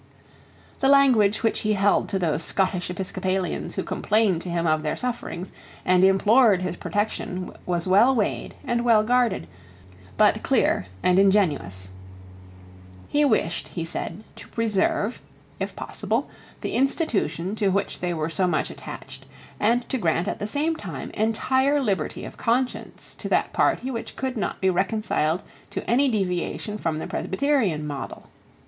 The language which he held to those Scottish Episcopalians who complained to him of their sufferings and implored his protection was well weighed and well guarded, but clear and ingenuous. He wished, he said, to preserve, if possible, the institution to which they were so much attached, and to grant at the same time entire liberty of conscience to that party which could not be reconciled to any deviation from the Presbyterian model.